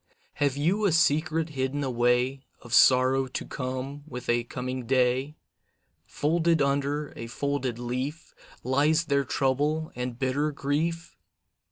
Have you a secret hidden away, Of sorrow to come with a coming day? Folded under a folded leaf, Lies there trouble and bitter grief?